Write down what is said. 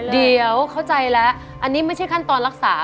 เดี๋ยวเข้าใจแล้วอันนี้ไม่ใช่ขั้นตอนรักษา